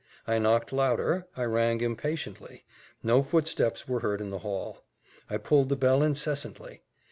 I knocked louder I rang impatiently; no footsteps were heard in the hall: I pulled the bell incessantly.